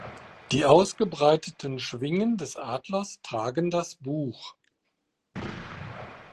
Die ausgebreiteten Schwingen des Adlers tragen das Buch.